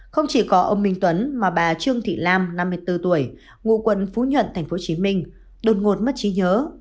không chỉ có ông minh tuấn mà bà trương thị lam năm mươi bốn tuổi ngụ quận phú nhuận tp hcm đột ngột mất trí nhớ